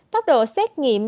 tốc độ xét nghiệm